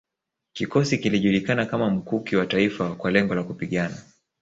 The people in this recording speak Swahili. Kikosi kilijulikana kama Mkuki wa Taifa kwa lengo la kupigana